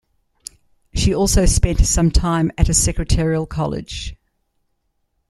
She also spent some time at a secretarial college.